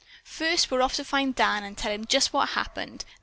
"First off we're going to find Dan and tell him just what happened.